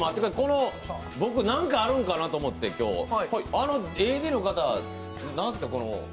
僕、何かあるんかなと思ってあのＡＤの方、何ッスか。